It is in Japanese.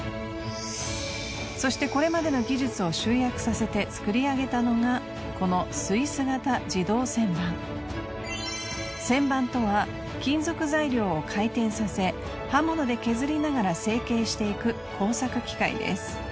そしてこれまでの技術を集約させて作り上げたのがこの旋盤とは金属材料を回転させ刃物で削りながら成型していく工作機械です。